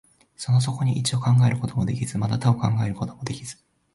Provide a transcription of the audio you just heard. その底に一を考えることもできず、また多を考えることもできず、